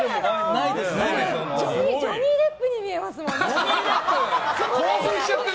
ジョニー・デップに見えますもん。